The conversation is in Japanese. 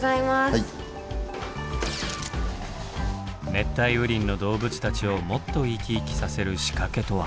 熱帯雨林の動物たちをもっとイキイキさせる仕掛けとは。